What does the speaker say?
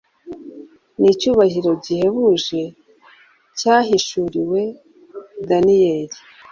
Ni icyubahiro gihebuje cyahishuriwe Daniyeli